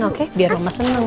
oke biar mama senang